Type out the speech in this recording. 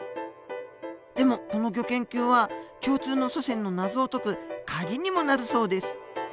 でもこのギョ研究は共通の祖先の謎を解くカギにもなるそうです。